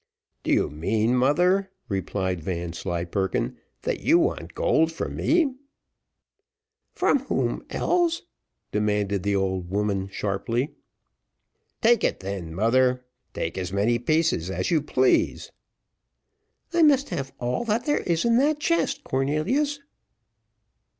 "Do you mean, mother," replied Vanslyperken, "that you want gold from me?" "From whom else?" demanded the old woman sharply. "Take it, then, mother take as many pieces as you please." "I must have all that there is in that chest, Cornelius."